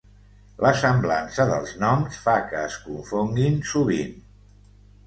La semblança dels noms fa que es confonguin sovint.